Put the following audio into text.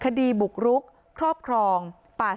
คดีบุกรุกครอบครองป่าสงวนแห่งชาติ